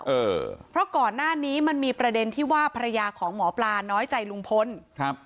เออเพราะก่อนหน้านี้มันมีประเด็นที่ว่าภรรยาของหมอปลาน้อยใจลุงพลครับ